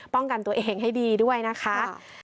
ป้องกันตัวเองให้ดีด้วยนะคะ